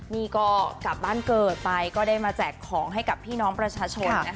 นี่ก็กลับบ้านเกิดไปก็ได้มาแจกของให้กับพี่น้องประชาชนนะคะ